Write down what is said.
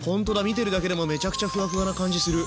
見てるだけでもめちゃくちゃふわふわな感じする。